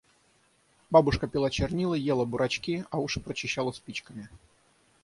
Бабушка пила чернила, ела бурачки, а уши прочищала спичками.